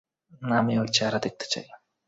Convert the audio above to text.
আমি ওর চেহারা দেখতে চাই।